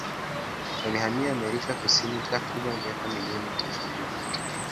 Walihamia Amerika Kusini takribani miaka milioni tatu iliyopita.